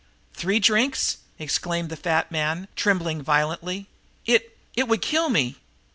"Three drinks!" exclaimed the fat man, trembling violently. "It it would kill me!"